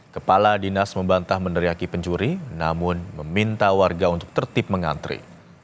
kepala dinas membantah meneriaki pencuri namun meminta warga untuk tertip mengantri